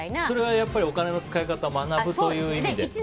それはお金の使い方を学ぶという意味で。